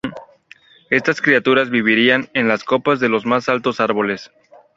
Estas criaturas vivirían en las copas de los más altos árboles.